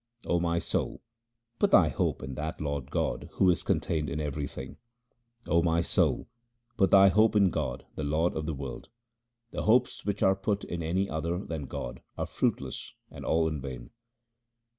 O my soul, put thy hope in that Lord God who is con tained in everything : O my soul, put thy hope in God, the Lord of the world. The hopes which are put in any other than God are fruitless and all in vain.